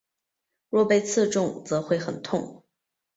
若被刺中则会很痛。